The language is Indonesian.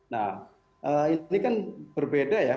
nah ini kan berbeda ya